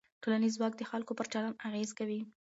ټولنیز ځواک د خلکو پر چلند اغېز کوي.